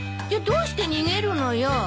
じゃどうして逃げるのよ。